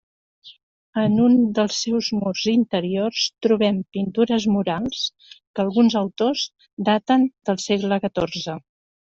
En un dels seus murs interiors trobem pintures murals, que alguns autors daten del segle catorze.